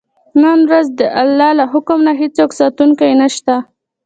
نن ورځ د الله له حکم نه هېڅوک ساتونکی نه شته.